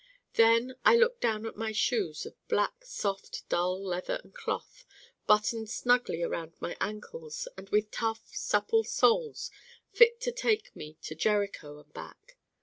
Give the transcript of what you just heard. Then I looked down at my Shoes of black soft dull leather and cloth, buttoned snugly around my ankles and with tough supple soles fit to take me to Jericho and back.